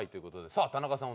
さあ田中さん